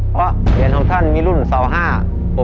เพราะเหรียญของท่านมีรุ่นเสาร์บนะครับ